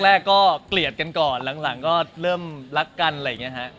แรกก็เกลียดกันก่อนหลังก็เริ่มรักกันอะไรอย่างนี้ฮะ